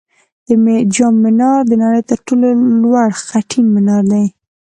د جام منار د نړۍ تر ټولو لوړ خټین منار دی